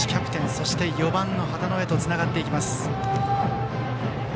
そして、４番の羽田野へとつながっていきます。